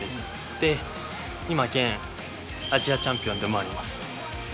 で今現アジアチャンピオンでもあります。